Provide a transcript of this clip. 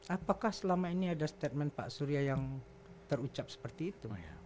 apakah selama ini ada statement pak surya yang terucap seperti itu